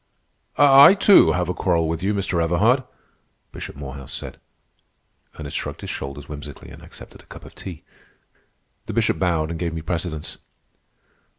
"I, too, have a quarrel with you, Mr. Everhard," Bishop Morehouse said. Ernest shrugged his shoulders whimsically and accepted a cup of tea. The Bishop bowed and gave me precedence.